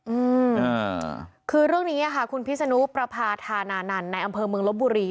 อืมอ่าคือเรื่องนี้อ่ะค่ะคุณพิษนุประพาธานานันต์ในอำเภอเมืองลบบุรี